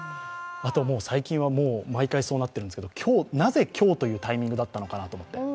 最近は毎回そうなっているんですけど、なぜ今日というタイミングだったのかなと思って。